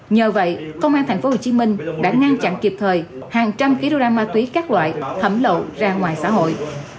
nhờ vậy công an tp hcm đã ngăn chặn kịp thời hàng trăm ký đô đa ma túy các loại thẩm lộ ra ngoài xã hội